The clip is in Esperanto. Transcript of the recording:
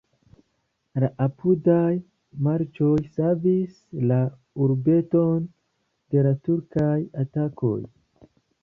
La apudaj marĉoj savis la urbeton de la turkaj atakoj.